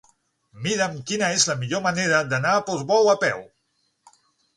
Mira'm quina és la millor manera d'anar a Portbou a peu.